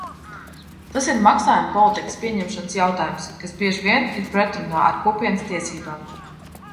Tas ir maksājumu politikas pieņemšanas jautājums, kas bieži vien ir pretrunā ar Kopienas tiesībām.